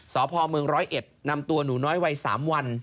สพม๑๐๑นำตัวหนูน้อยวัย๓วัน